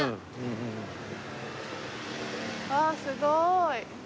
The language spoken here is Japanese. ああすごい！